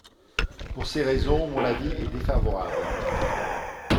Pour ces raisons, mon avis est défavorable.